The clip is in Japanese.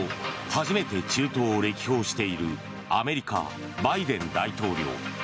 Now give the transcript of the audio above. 初めて中東を歴訪しているアメリカ、バイデン大統領。